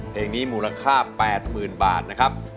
เพลงนี้มูลค่า๘๐๐๐บาทนะครับ